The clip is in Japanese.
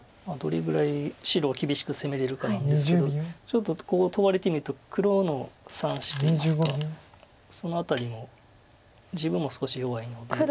どれぐらい白を厳しく攻めれるかなんですけどちょっとこうトバれてみると黒の３子といいますかその辺りも自分も少し弱いので。